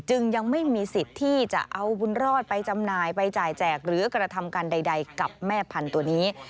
ยังไม่มีสิทธิ์ที่จะเอาบุญรอดไปจำหน่ายไปจ่ายแจกหรือกระทำการใดกับแม่พันธุ์ตัวนี้